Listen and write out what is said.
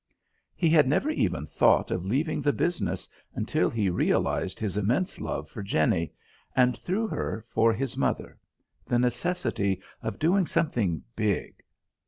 He had never even thought of leaving the business until he realised his immense love for Jenny, and, through her, for his mother; the necessity for doing something big.